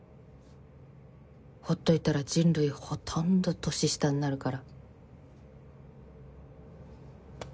ほっといたら人類ほとんど年下になるから。